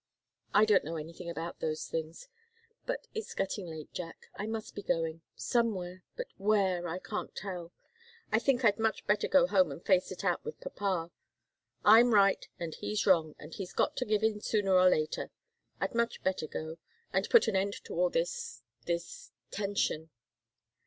"I don't know anything about those things. But it's getting late, Jack. I must be going somewhere, but where, I can't tell! I think I'd much better go home and face it out with papa. I'm right, and he's wrong, and he's got to give in sooner or later. I'd much better go, and put an end to all this this tension."